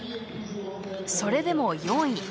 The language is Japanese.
それでも４位。